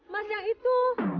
mas yang itu